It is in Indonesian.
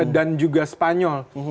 dan juga spanyol